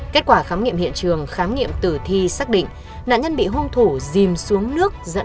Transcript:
kết quả khám nghiệm hiện trường khám nghiệm tử thi xác định nạn nhân bị hôn thủ dìm xuống nước dẫn